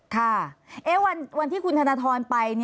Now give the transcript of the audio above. ค่ะวันที่คุณธนทรไป